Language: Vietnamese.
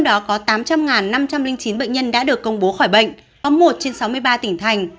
trong đó có tám trăm linh năm trăm linh chín bệnh nhân đã được công bố khỏi bệnh có một trên sáu mươi ba tỉnh thành